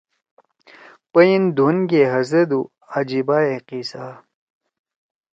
پَیَن دھون گے ہزَدُو عجیبائے قِصہ